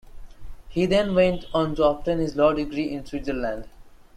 He then went on to obtain his law degree in Switzerland.